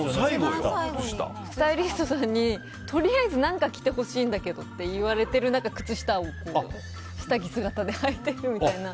スタイリストさんにとりあえず何か着てほしいんだけどって言われる中靴下を、下着姿ではいてみたいな。